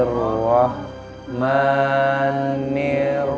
boleh sih langit